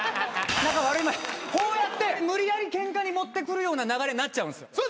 こうやって無理やりケンカに持ってくるような流れになっちゃうんすよ。